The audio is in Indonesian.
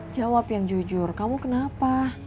jawab yang jujur kamu kenapa